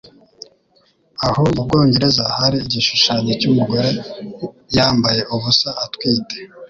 Aho mu Bwongereza hari igishushanyo cy’umugore yambaye ubusa atwite?